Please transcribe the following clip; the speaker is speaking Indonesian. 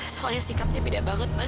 soalnya sikapnya beda banget mas